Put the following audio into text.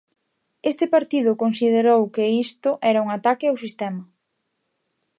Este partido considerou que isto era un ataque ao sistema.